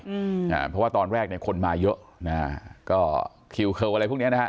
เพราะว่าตอนแรกคนมาเยอะนะฮะก็คิวเคิวอะไรพวกนี้นะฮะ